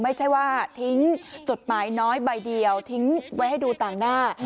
ไม่ใช่ว่าทิ้งจดหมายน้อยใบเดียวทิ้งไว้ให้ดูต่างหน้า